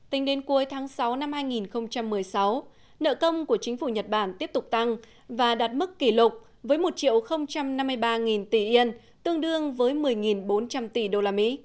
tính đến cuối tháng sáu năm hai nghìn một mươi sáu nợ công của chính phủ nhật bản tiếp tục tăng và đạt mức kỷ lục với một triệu năm mươi ba nghìn tỷ usd